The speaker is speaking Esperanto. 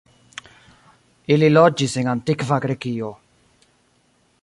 Ili loĝis en Antikva Grekio.